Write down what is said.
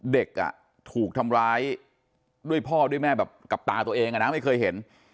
เด็กถูกทำร้ายด้วยพ่อด้วยแม่แบบกับตาตัวเองไม่เคยเห็น